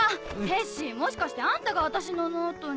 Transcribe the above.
テッシーもしかしてあんたが私のノートに。